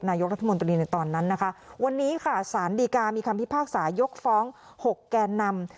นายกรัฐมนตรีตอนนั้นวันนี้สารดีการมีคำพิพากษายกฟ้อง๖แก่นำ